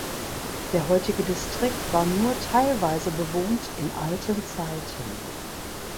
Der heutige Distrikt war nur teilweise bewohnt in alten Zeiten.